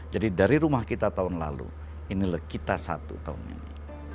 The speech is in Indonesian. jadi dari rumah kita tahun lalu inilah kita satu tahun ini